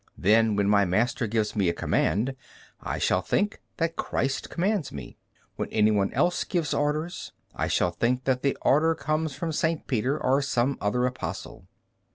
Then, when my master gives me a command, I shall think, that Christ commands me. When any one else gives orders, I shall think that the order comes from St. Peter or some other Apostle."